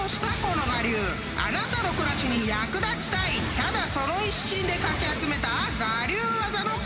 ［ただその一心でかき集めた我流技の数々］